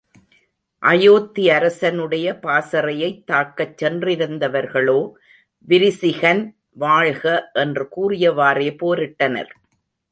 அயோத்தி அரசனுடைய பாசறையைத் தாக்கச் சென்றிருந்தவர்களோ, விரிசிகன் வாழ்க! என்று கூறியவாறே போரிட்டனர்.